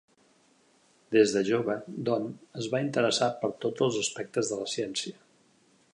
Des de jove Don es va interessar per tots els aspectes de la ciència.